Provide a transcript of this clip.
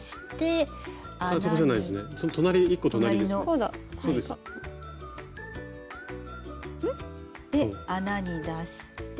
うん？で穴に出して。